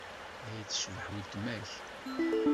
Ay tecbeḥ weltma-k!